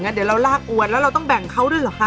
เดี๋ยวเราลากอวนแล้วเราต้องแบ่งเขาด้วยเหรอคะ